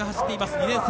２年生。